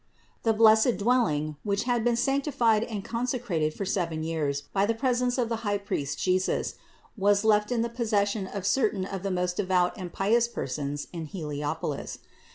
The blessed dwelling, which had been sanctified and con secrated for seven years by the presence of the High priest Jesus, was left in the possession of certain of the most devout and pious persons in Heliopolis.